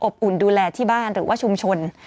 อุ่นดูแลที่บ้านหรือว่าชุมชน